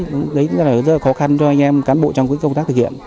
đấy là rất là khó khăn cho anh em cán bộ trong công tác thực hiện